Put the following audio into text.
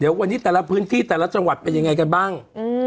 เดี๋ยววันนี้แต่ละพื้นที่แต่ละจังหวัดเป็นยังไงกันบ้าง